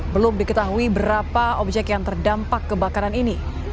belum diketahui berapa objek yang terdampak kebakaran ini